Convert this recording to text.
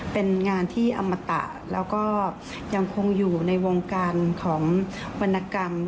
เป็นงานที่อมตะแล้วก็ยังคงอยู่ในวงการของวรรณกรรม